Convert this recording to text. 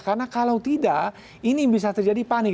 karena kalau tidak ini bisa terjadi panik